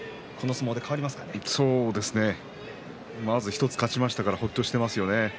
まず１つ勝ちましたからほっとしてますよね。